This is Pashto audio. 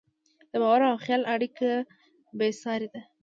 د باور او خیال اړیکه بېساري ده.